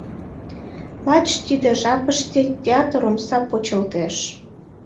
Лач тиде жапыште театр омса почылтеш.